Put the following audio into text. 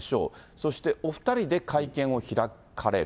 そして、お２人で会見を開かれる。